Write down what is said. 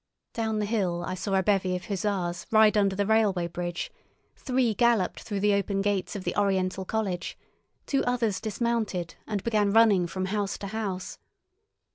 Down the hill I saw a bevy of hussars ride under the railway bridge; three galloped through the open gates of the Oriental College; two others dismounted, and began running from house to house.